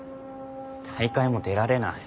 大会も出られない。